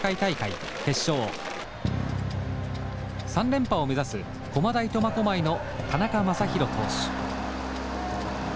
３連覇を目指す駒大苫小牧の田中将大投手。